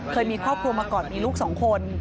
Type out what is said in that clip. เคยมีครอบครัวมาก่อนมีลูกสองคน